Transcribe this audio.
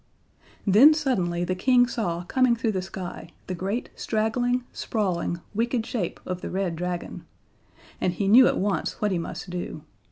Then suddenly the King saw coming through the sky the great straggling, sprawling, wicked shape of the Red Dragon. And he knew at once what he must do.